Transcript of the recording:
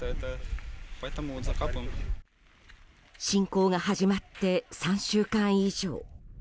侵攻が始まって３週間以上。